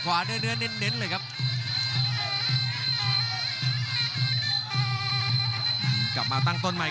ขวางเอาไว้ครับโอ้ยเด้งเตียวคืนครับฝันด้วยศอกซ้าย